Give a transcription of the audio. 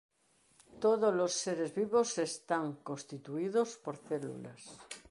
Tódolos seres vivos están constituídos por células.